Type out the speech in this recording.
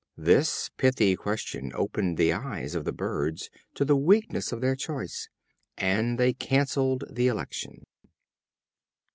This pithy question opened the eyes of the Birds to the weakness of their choice and they canceled the election.